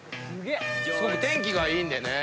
すごく天気がいいんでね。